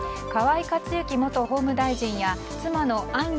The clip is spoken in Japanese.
河井克行元法務大臣や妻の案